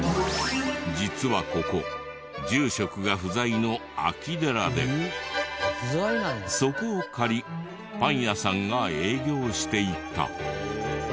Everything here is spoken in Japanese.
実はここ住職が不在の空き寺でそこを借りパン屋さんが営業していた。